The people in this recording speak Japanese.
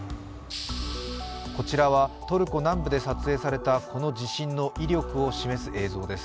こちらは、トルコ南部で撮影されたこの地震の威力を示す映像です。